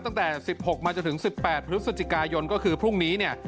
ตั้งแต่๑๖มาจนถึง๑๘พฤศจิกายนก็คือพรุ่งนี้เนี่ย